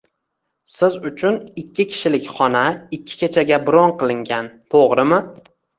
Siz uchun ikki kishilik xona ikki kechaga bron qilingan, to'g'rimi?